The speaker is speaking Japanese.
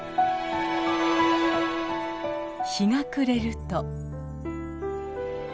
日が暮れると。